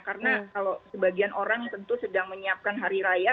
karena kalau sebagian orang tentu sedang menyiapkan hari raya